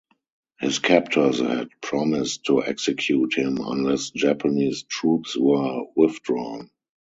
His captors had promised to execute him unless Japanese troops were withdrawn.